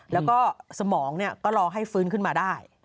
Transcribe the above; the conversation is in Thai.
แล้วก็สมองก็รอให้ฟื้นขึ้นมาได้